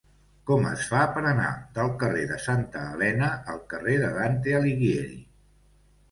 Com es fa per anar del carrer de Santa Elena al carrer de Dante Alighieri?